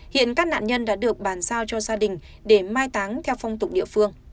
hiện các nạn nhân đã được bàn giao cho gia đình để mai táng theo phong tục địa phương